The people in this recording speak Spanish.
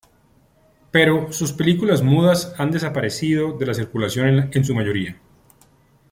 Pero sus películas mudas han desaparecido de la circulación en su mayoría.